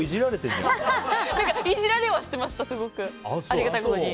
いじられはしてました、すごくありがたいことに。